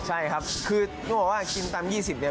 ใช่ครับคือต้องบอกว่ากินตำ๒๐เนี่ย